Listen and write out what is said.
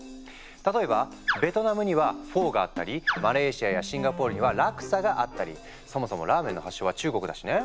例えばベトナムには「フォー」があったりマレーシアやシンガポールには「ラクサ」があったりそもそもラーメンの発祥は中国だしね。